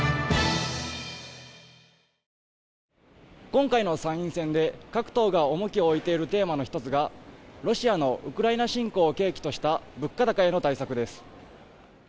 今回の参院選で各党が重きを置いているテーマの１つがロシアのウクライナ侵攻を契機とした物価高への対策です。